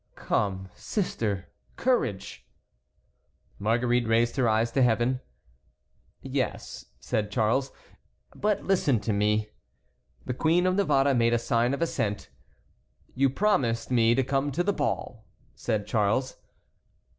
"Come, sister, courage." Marguerite raised her eyes to Heaven. "Yes," said Charles, "but listen to me." The Queen of Navarre made a sign of assent. "You promised me to come to the ball," said Charles.